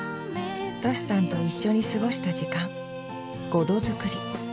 としさんと一緒に過ごした時間ごど作り。